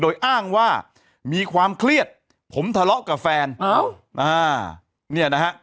โดยอ้างว่ามีความเครียดผมทะเลาะกับแฟนอ้าวอ่าเนี่ยนะฮะ